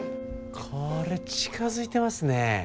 これ近づいてますね。